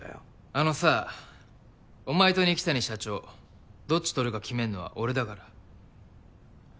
あのさお前と二木谷社長どっち取るか決めんのは俺だから。